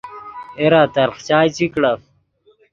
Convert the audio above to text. اے را تلخ چائے چی کڑف